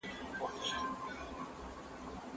عربي او اسلامي هېوادونه د کار ساعتونه کموي.